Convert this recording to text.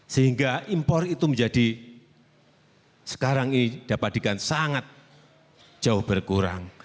sehingga impor itu menjadi sekarang ini dapat dikatakan sangat jauh berkurang